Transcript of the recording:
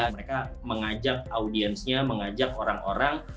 mereka mengajak audiensnya mengajak orang orang